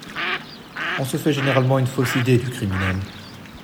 On se fait généralement une fausse idée du criminel.